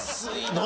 何？